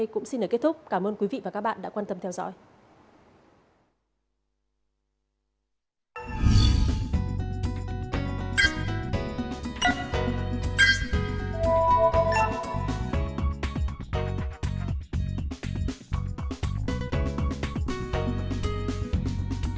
cảm ơn các bạn đã theo dõi và hẹn gặp lại